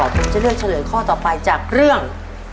ผมจะเลือกเฉลยข้อต่อไปจากเรื่อง